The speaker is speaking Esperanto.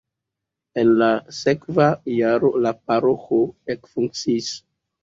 En la sekva jaro la paroĥo ekfunkciis.